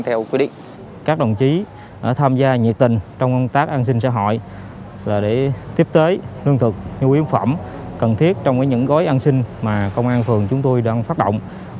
tổ công tác đã tiến hành lập biên bản